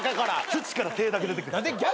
土から手だけ出てくんねん。